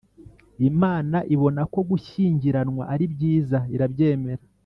Imana ibona ko gushyingiranwa aribyiza irabyemera